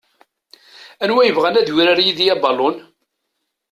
Anwa yebɣan ad yurar yid-i abalun?